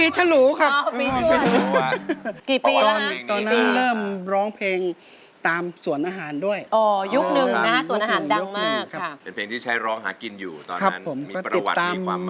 ครับผมก็ติดตาม